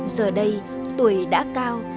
giờ đây tuổi đã cao